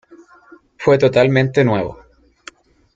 Fue totalmente nuevo.